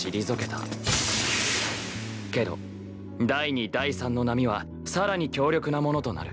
けど第二第三の波は更に強力なものとなる。